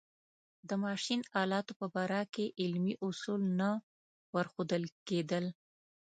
د ماشین آلاتو په باره کې علمي اصول نه ورښودل کېدل.